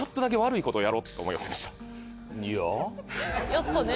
やっぱね。